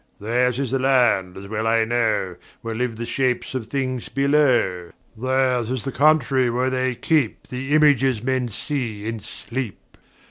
"Theirs is the land (as well I know) Where live the Shapes of Things Below: Theirs is the country where they keep The Images men see in Sleep.